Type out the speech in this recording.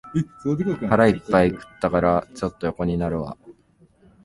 腹いっぱい食ったから、ちょっと横になるわ